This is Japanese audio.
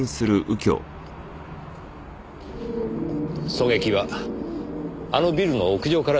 狙撃はあのビルの屋上からでしたね？